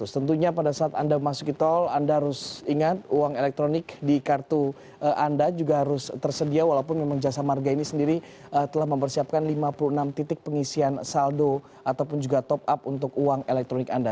tentunya pada saat anda masuki tol anda harus ingat uang elektronik di kartu anda juga harus tersedia walaupun memang jasa marga ini sendiri telah mempersiapkan lima puluh enam titik pengisian saldo ataupun juga top up untuk uang elektronik anda